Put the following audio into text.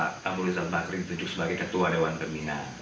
pak abu rizal bakri ditunjuk sebagai ketua dewan pembina